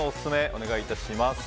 お願いいたします。